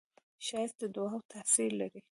ښایست د دعاوو تاثیر لري